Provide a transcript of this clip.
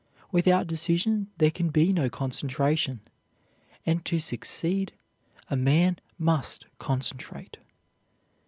Without decision there can be no concentration; and, to succeed, a man must concentrate.